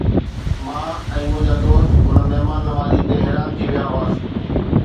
مان ۽ منهنجا دوست ان مهمان نوازي تي حيران ٿي ويا هئاسين.